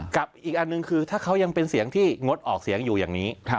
กับอีกอันหนึ่งคือถ้าเขายังเป็นเสียงที่งดออกเสียงอยู่อย่างนี้